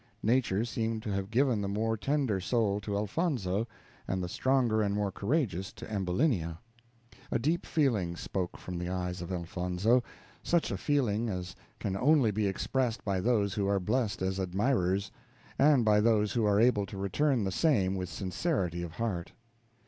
Nature seemed to have given the more tender soul to Elfonzo, and the stronger and more courageous to Ambulinia. A deep feeling spoke from the eyes of Elfonzo such a feeling as can only be expressed by those who are blessed as admirers, and by those who are able to return the same with sincerity of heart.